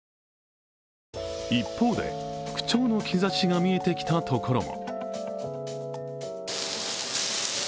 一方で、復調の兆しが見えてきたところも。